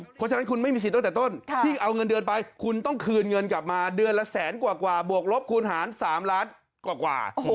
เพราะฉะนั้นคุณไม่มีสิทธิ์ตั้งแต่ต้นที่เอาเงินเดือนไปคุณต้องคืนเงินกลับมาเดือนละแสนกว่าบวกลบคูณหาร๓ล้านกว่า